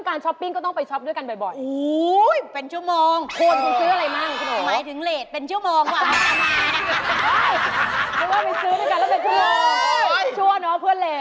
ไม่ต้องส่งเสริมเขาค่ะฮ่า